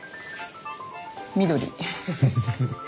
緑。